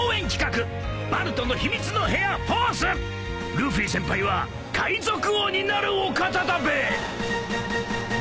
ルフィ先輩は海賊王になるお方だべ！